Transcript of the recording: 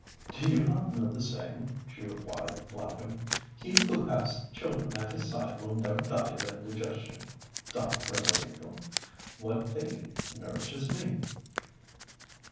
"Do you not know the saying," she replied laughing, "'He who has children at his side will never die of indigestion,' Don Frederico? What they eat nourishes me."